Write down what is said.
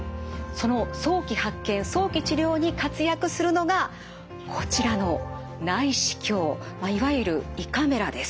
その早期発見早期治療に活躍するのがこちらの内視鏡いわゆる胃カメラです。